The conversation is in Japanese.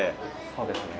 そうですね。